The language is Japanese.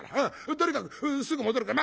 とにかくすぐ戻るから。